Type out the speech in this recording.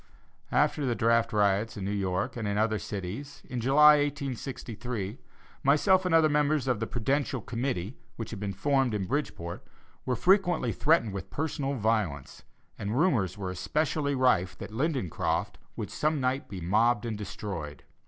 After the draft riots in New York and in other cities, in July, 1863, myself and other members of the "Prudential Committee" which had been formed in Bridgeport were frequently threatened with personal violence, and rumors were especially rife that Lindencroft would some night be mobbed and destroyed.